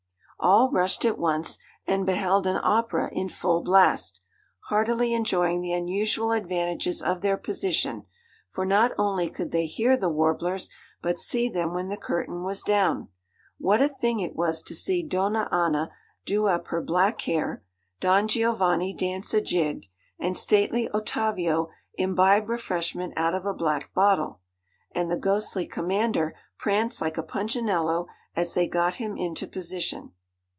All rushed at once and beheld an opera in full blast, heartily enjoying the unusual advantages of their position; for not only could they hear the warblers, but see them when the curtain was down. What a thing it was to see Donna Anna do up her black hair, Don Giovanni dance a jig, and stately Ottavio imbibe refreshment out of a black bottle, and the ghostly Commander prance like a Punchinello as they got him into position.